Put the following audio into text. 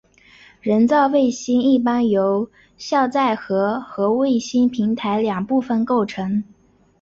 人造卫星一般由有效载荷和卫星平台两部分构成。